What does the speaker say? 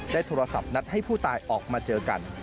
โทรศัพท์นัดให้ผู้ตายออกมาเจอกัน